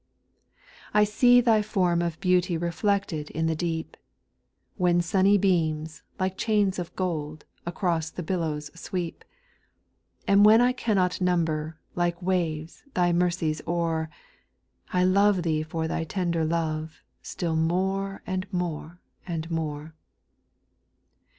SPIRITUAL SONGS. 4U 2. I see Thy form of beauty reflected in the deep, When sunny beams, like chains of gold, across the billows sweep ; And when I cannot number, like waves, Thy mercies o'er, I love Thee for Thy tender love, still more and more, and more.